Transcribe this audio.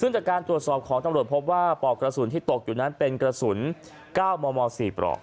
ตรวจสอบของตำรวจพบว่าปลอกกระสุนที่ตกอยู่นั้นเป็นกระสุน๙๔ปรอก